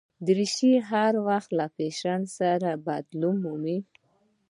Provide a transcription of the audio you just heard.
دریشي هر وخت له فېشن سره بدلون مومي.